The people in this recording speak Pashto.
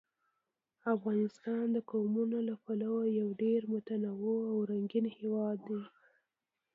افغانستان د قومونه له پلوه یو ډېر متنوع او رنګین هېواد دی.